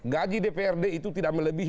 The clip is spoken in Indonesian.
gaji dprd itu tidak melebihi